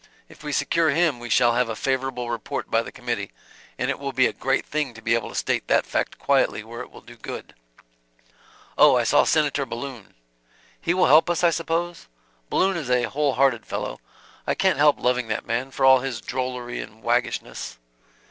If we secure him we shall have a favorable report by the committee, and it will be a great thing to be able to state that fact quietly where it will do good." "Oh, I saw Senator Balloon" "He will help us, I suppose? Balloon is a whole hearted fellow. I can't help loving that man, for all his drollery and waggishness.